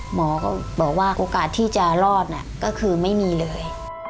หมอก็บอกว่าโอกาสที่จะรอดก็คือไม่มีเลย